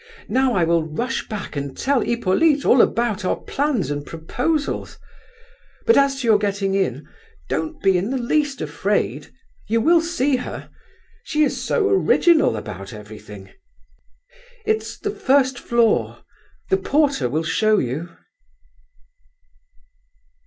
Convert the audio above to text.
"Now I will rush back and tell Hippolyte all about our plans and proposals! But as to your getting in—don't be in the least afraid. You will see her. She is so original about everything. It's the first floor. The porter will show you."